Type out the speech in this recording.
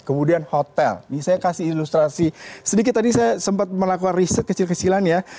kemudian hotel saya kasih ilustrasi sedikit tadi saya sempat melakukan riset kecil kecilan ya